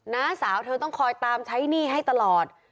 น้าสาวเธอต้องคอยตามใช้หนี้ให้ตลอด